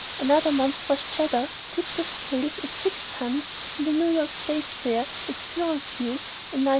Another monstrous Cheddar tipped the scales at six tons in the New York State Fair at Syracuse in 1937.